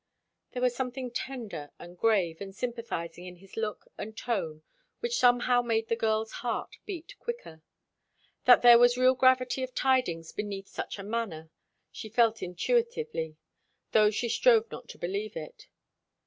There was something tender and grave and sympathizing in his look and tone, which somehow made the girl's heart beat quicker. That there was real gravity of tidings beneath such a manner, she felt intuitively; though she strove not to believe it.